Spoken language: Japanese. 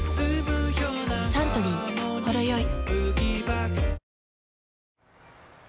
サントリー「ほろよい」